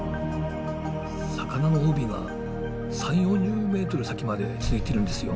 魚の帯が３０４０メートル先まで続いているんですよ。